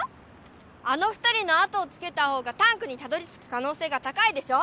あの２人の後をつけたほうがタンクにたどりつくかのうせいが高いでしょ！